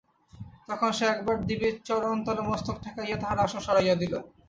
তখন সে একবার দেবীর চরণতলে মস্তক ঠেকাইয়া তাঁহার আসন সরাইয়া দিল।